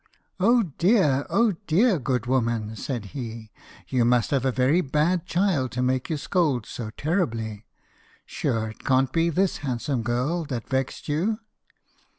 "Oh dear, oh dear, good woman!" said he, "you must have a very bad child to make you scold so terribly. Sure it can't be this handsome girl that vexed you!"